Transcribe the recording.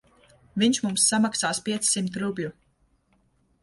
Viņš mums samaksās piecsimt rubļu.